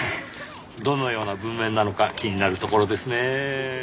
どのような文面なのか気になるところですねぇ。